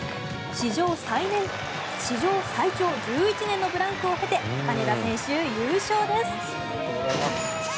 史上最長１１年のブランクを経て金田選手、優勝です。